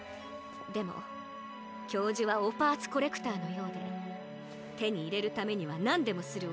でも教授はお・パーツコレクターのようでてにいれるためにはなんでもするおとこよ！